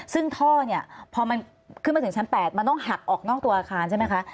ซึ่งท่อเนี่ยพอมันขึ้นมาถึงชั้น๘มันต้องหักออกนอกตัวอาคารใช่ไหมคะ